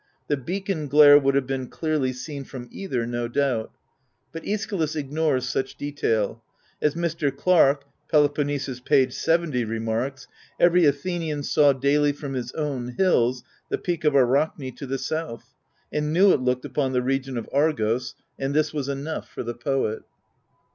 The beacon glare would have been clearly seen from either, no doubt. But iEschylus ignores such detail : as Mr. Clark (Peloponnesus, p. 70) remarks, every Athenian saw daily from his own hills the peak of Arachne to the south, and knew it looked upon the region of Argos : and this was enough for the poet.